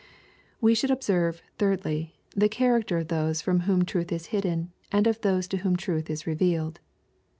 We should observe, thirdly, the character cf those from whom truth is hidden, and of those to whom truth ia revealed.